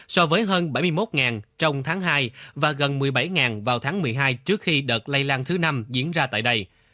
so với hơn bảy mươi một trong tháng hai và gần một mươi bảy vào tháng một mươi hai trước khi đợt lây lan thứ năm diễn ra tại đây